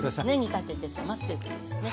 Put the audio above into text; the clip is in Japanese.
煮立てて冷ますということですね。